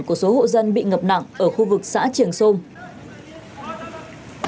của số hộ dân bị ngập nặng ở khu vực xã triềng xung